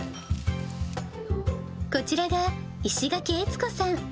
こちらが石垣悦子さん。